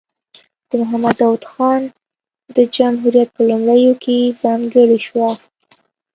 د محمد داود خان د جمهوریت په لومړیو کې ځانګړې شوه.